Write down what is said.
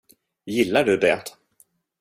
Gillar du det?